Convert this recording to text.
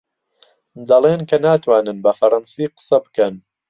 دەڵێن کە ناتوانن بە فەڕەنسی قسە بکەن.